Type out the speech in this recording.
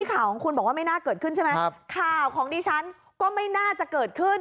ข่าวของคุณบอกว่าไม่น่าเกิดขึ้นใช่ไหมข่าวของดิฉันก็ไม่น่าจะเกิดขึ้น